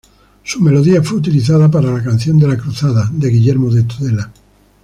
Su melodía fue utilizada para la "Canción de la Cruzada" de Guillermo de Tudela.